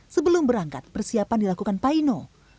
sebelum berangkat persiapan dilakukan paino